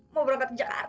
mau berangkat ke jakarta